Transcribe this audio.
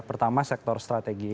pertama sektor strategis